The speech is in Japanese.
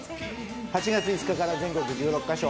８月５日から全国１６か所